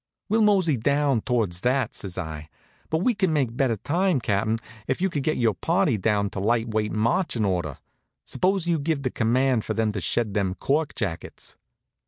"We'll mosey down towards that," says I; "but we could make better time, Cap'n, if you'd get your party down to light weight marchin' order. Suppose you give the command for them to shed them cork jackets."